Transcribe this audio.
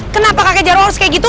kenapa kakek jarwo harus kayak gitu